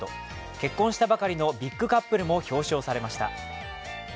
結婚したばかりのビッグカップルも表彰されました。